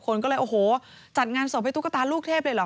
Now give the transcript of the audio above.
คนก็เลยโอ้โหจัดงานศพให้ตุ๊กตาลูกเทพเลยเหรอ